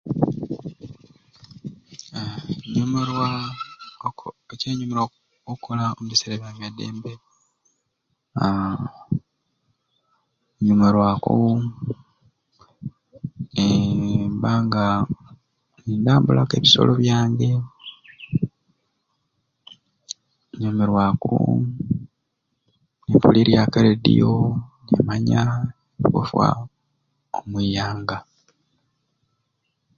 Aaaa fuba okubona nga okukolesya okulususu lwamu amaizi agasai aaa n'osaabuuni okwiiza okwewala endwaire za lususu omubiseera ebyo ebyaikendi